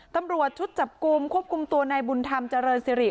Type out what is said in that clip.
ตำรวจชุดจับกลุ่มควบคุมตัวนายบุญธรรมเจริญสิริ